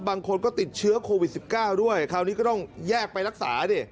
บางคนก็ติดเชื้อโควิด๑๙ด้วยคราวนี้ก็ต้องแยกไปรักษาดิ